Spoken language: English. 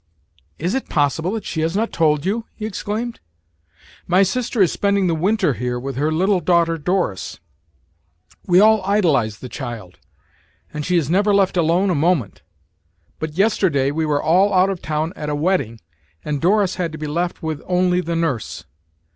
"Is it possible that she has not told you?" he exclaimed. "My sister is spending the winter here with her little daughter Doris. We all idolise the child, and she is never left alone a moment. But yesterday we were all out of town at a wedding, and Doris had to be left with only the nurse.